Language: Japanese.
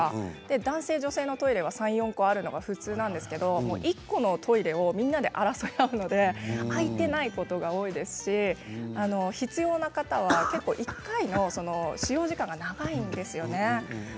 男性、女性のトイレは３、４個あるのが普通なんですけど１個のトイレをみんなで争い合うので空いていないことが多いですし必要な方は１回の使用時間が結構、長いんですよね。